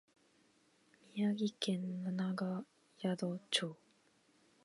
宮城県七ヶ宿町